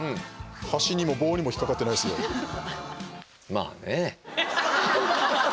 「まあね」。